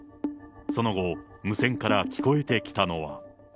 その後、無線から聞こえてきたのは。